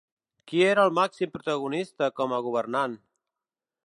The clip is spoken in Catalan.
Qui era el màxim protagonista com a governant?